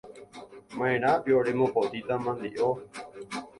Ma’erãpio remopotĩta mandi’o.